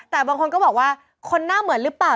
แต่บางคนก็บอกว่าคนหน้าเหมือนหรือเปล่า